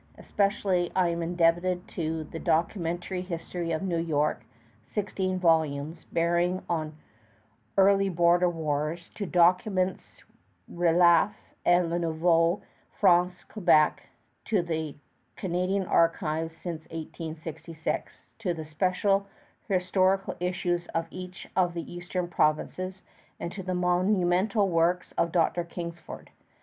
Especially am I indebted to the Documentary History of New York, sixteen volumes, bearing on early border wars; to Documents Relatifs à la Nouvelle France, Quebec; to the Canadian Archives since 1886; to the special historical issues of each of the eastern provinces; and to the monumental works of Dr. Kingsford.